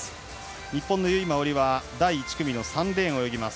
日本の由井真緒里は第１組の３レーンを泳ぎます。